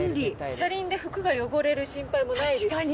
車輪で服が汚れる心配もないですし。